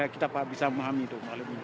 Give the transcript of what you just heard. kita bisa memahami itu